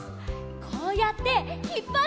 こうやってひっぱってね！